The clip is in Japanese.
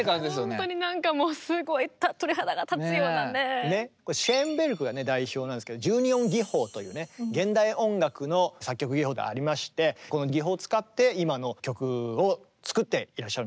本当になんかもうこれシェーンベルクが代表なんですけど１２音技法というね現代音楽の作曲技法がありましてこの技法を使って今の曲を作っていらっしゃるんでございますモリコーネね。